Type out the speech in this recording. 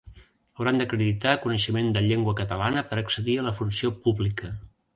Hauran d’acreditar coneixement de llengua catalana per accedir a la funció pública.